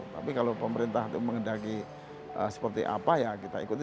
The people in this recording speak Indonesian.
tapi kalau pemerintah itu mengendaki seperti apa ya kita ikuti